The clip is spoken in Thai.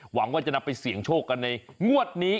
หวังว่าจะนำไปเสี่ยงโชคกันในงวดนี้